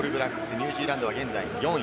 ・ニュージーランドは現在４位。